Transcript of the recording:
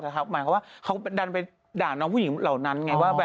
แต่ข้ามายเขาว่าเขาก็ดันไปด่านน้องผู้หญิงเหล่านั้น